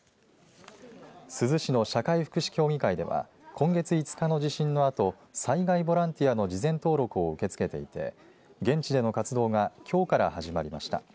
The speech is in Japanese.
珠洲市の社会福祉協議会では今月５日の地震のあと災害ボランティアの事前登録を受け付けていて現地での活動がきょうから始まりました。